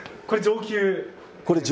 これ、上級。